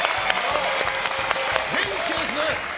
元気ですね！